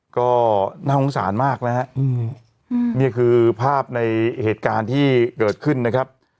ก็น่าสงสารมากนะฮะนี่คือภาพในเหตุการณ์ที่เกิดขึ้นนะครับ